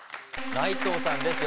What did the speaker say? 内藤さんです